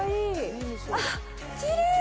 あっ、きれい！